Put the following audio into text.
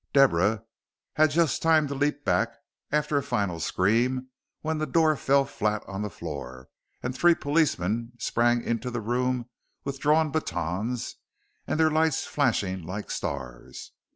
Deborah had just time to leap back after a final scream when the door fell flat on the floor, and three policemen sprang into the room with drawn batons and their lights flashing like stars.